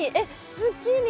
ズッキーニ。